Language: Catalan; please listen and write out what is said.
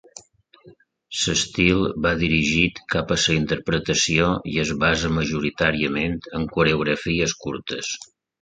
L'estil va dirigit cap a la interpretació i es basa majoritàriament en coreografies curtes.